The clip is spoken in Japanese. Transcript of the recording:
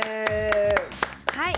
はい。